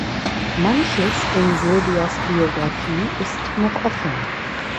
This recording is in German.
Manches in Sylvias Biografie ist noch offen.